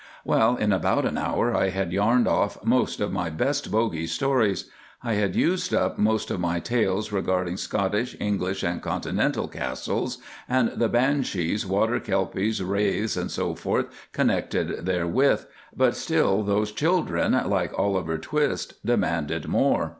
Well, in about an hour I had yarned off most of my best bogey stories. I had used up most of my tales regarding Scottish, English, and Continental Castles, and the banshees, water kelpies, wraiths, &c., connected therewith; but still those children, like Oliver Twist, demanded more.